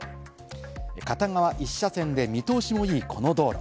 片側１車線で見通しもいい、この道路。